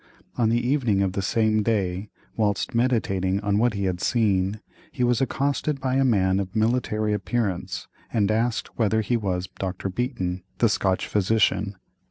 On the evening of the same day, whilst meditating on what he had seen, he was accosted by a man of military appearance, and asked whether he was Dr. Beaton, the Scotch physician.